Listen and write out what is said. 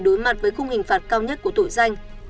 đối mặt với khung hình phạt cao nhất của tội danh